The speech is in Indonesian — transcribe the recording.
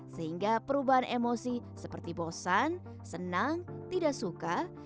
sehingga perubahan emosi seperti bosan senang tidak suka